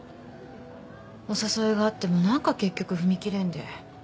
お誘いがあっても何か結局踏み切れんで。